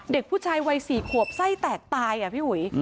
เด็กผู้ชายวัย๔ขวบไส้แตกตายอ่ะพี่อุ๋ย